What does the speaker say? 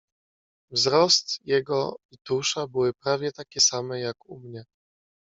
"Wzrost jego i tusza były prawie takie same, jak u mnie."